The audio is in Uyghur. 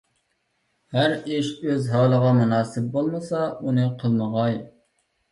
ھەر ئىش ئۆز ھالىغا مۇناسىپ بولمىسا، ئۇنى قىلمىغاي.